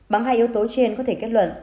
bằng hai yếu tố trên có thể kết luận